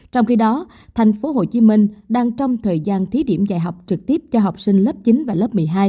trong khi đó thành phố hồ chí minh đang trong thời gian thí điểm dạy học trực tiếp cho học sinh lớp chín và lớp một mươi hai